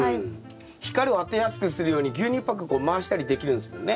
光を当てやすくするように牛乳パックこう回したりできるんすもんね。